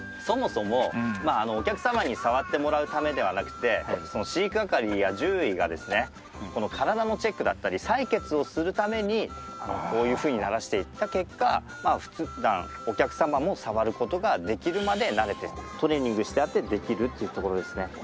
そもそもお客様に触ってもらうためではなくて飼育係や獣医がですねこの体のチェックだったり採血をするためにこういうふうに慣らしていった結果普段お客様も触る事ができるまで慣れてトレーニングしてあってできるっていうところですね。